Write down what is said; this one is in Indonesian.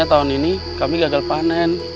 tolong kami raden